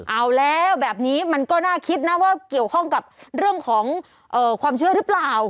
เอาแล้วแบบนี้มันก็น่าคิดนะว่าเกี่ยวข้องกับเรื่องของความเชื่อหรือเปล่า